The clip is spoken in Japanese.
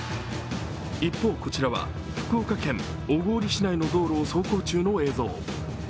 一方、こちらは福岡県小郡市内の道路を走行中の映像。